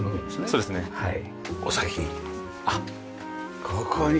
そうですねはい。